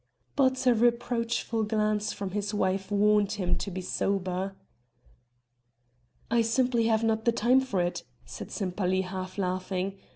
But a reproachful glance from his wife warned him to be sober. "I simply have not the time for it," said Sempaly half laughing.